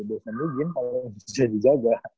deshawn wiggin kalau susah dijaga